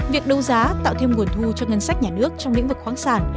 việc đấu giá tạo thêm nguồn thu cho ngân sách nhà nước trong lĩnh vực khoáng sản